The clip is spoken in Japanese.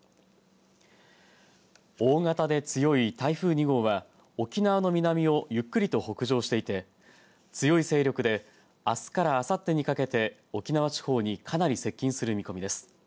大型で強い台風２号は沖縄の南をゆっくりと北上していて強い勢力であすからあさってにかけて沖縄地方にかなり接近する見込みです。